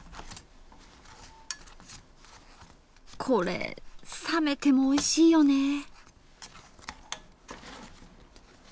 これ冷めてもおいしいよね。